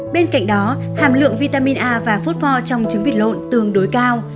bên cạnh đó hàm lượng vitamin a và phốt pho trong trứng vịt lộn tương đối cao